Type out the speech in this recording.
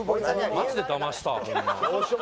マジでだましたホンマ。